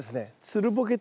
つるボケ。